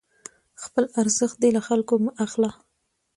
خپل ارزښت دې له خلکو مه اخله،